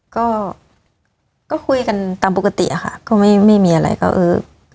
ก็ก็คุยกันตามปกติอะค่ะก็ไม่ไม่มีอะไรก็เออ